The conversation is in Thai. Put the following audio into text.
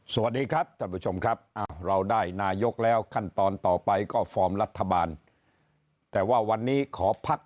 สวัสดีครับท่านผู้ชมครับเราได้นายกแล้วขั้นตอนต่อไปก็ฟอร์มรัฐบาลแต่ว่าวันนี้ขอพัก